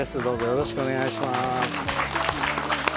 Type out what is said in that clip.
よろしくお願いします。